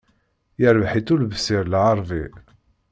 Irbeḥ-itt Ulebsir Lɛarbi.